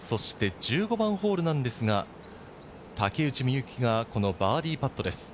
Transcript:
１５番ホールなんですが、竹内美雪がバーディーパットです。